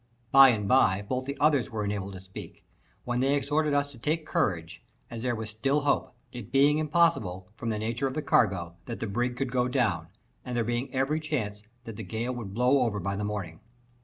By and by both the others were enabled to speak, when they exhorted us to take courage, as there was still hope; it being impossible, from the nature of the cargo, that the brig could go down, and there being every chance that the gale would blow over by the morning.